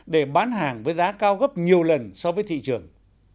để bán hàng với giá cao gấp nhiều lần so với thị trường